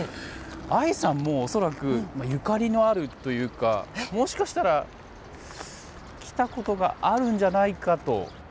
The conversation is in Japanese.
愛さんも恐らくゆかりのあるというかもしかしたら来たことがあるんじゃないかと。